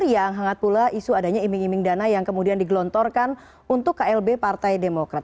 yang hangat pula isu adanya iming iming dana yang kemudian digelontorkan untuk klb partai demokrat